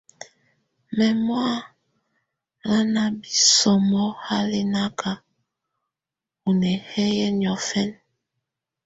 Mámɔ́á lá ná bísómó hálɛ̀ákɛna ú nɛhɛ́yɛ niɔ́fɛna.